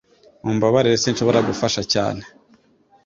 Mumbabarire sinshobora gufasha cyane